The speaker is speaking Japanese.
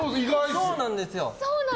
そうなんですよ。